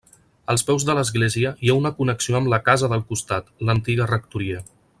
Als peus de l'església hi ha una connexió amb la casa del costat, l'antiga rectoria.